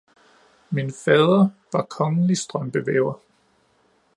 Min fader var kongelig strømpevæver